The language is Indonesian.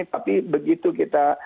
tapi begitu kita